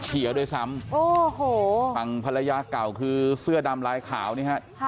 เขียวด้วยซ้ำโอ้โหฝั่งภรรยาเก่าคือเสื้อดำลายขาวนี่ฮะ